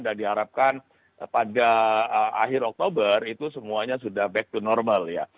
dan diharapkan pada akhir oktober itu semuanya sudah back to normal ya